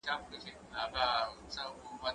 زه کولای سم چپنه پاک کړم!